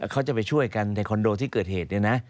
เขาจะไปช่วยกันในคอนโดที่เกิดเหตุเนี่ยนะ